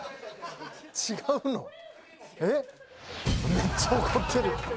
めっちゃ怒ってる。